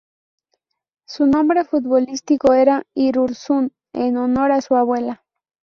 Su nombre futbolístico era "Irurzun", en honor a su abuela.